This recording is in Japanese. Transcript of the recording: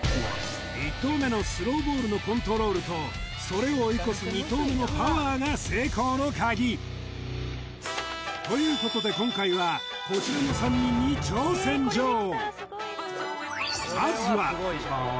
１投目のスローボールのコントロールとそれを追い越す２投目のパワーが成功のカギということで今回はこちらの３人に挑戦状まずは失礼します